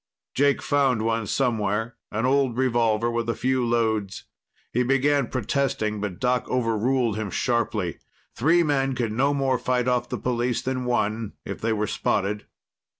Jake found one somewhere, an old revolver with a few loads. He began protesting, but Doc overruled him sharply. Three men could no more fight off the police than one, if they were spotted.